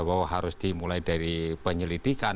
bahwa harus dimulai dari penyelidikan